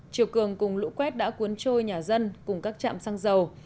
chiều cường cùng lũ quét đã cuốn trôi nhà dân cùng các trạm xăng dầu